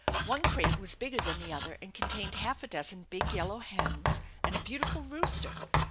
One crate was bigger than the other and contained half a dozen big yellow hens and a beautiful rooster.